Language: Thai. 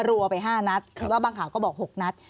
รัวไป๕นัดหรือว่าบางข่าวก็บอก๖นัด